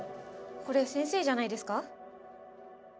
これ先生じゃないですか？